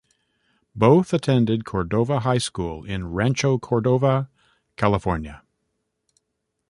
Both attended Cordova High School in Rancho Cordova, California.